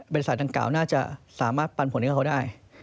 บริษัทดังกล่าวน่าจะสามารถปันผลงานเขาได้